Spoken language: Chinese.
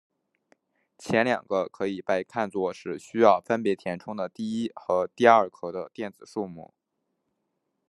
前两个可以被看作是需要分别填充的第一和第二壳的电子数目。